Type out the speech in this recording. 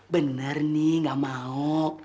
bener nih gak mau